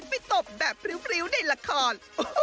ตบแบบพริ้วในละคร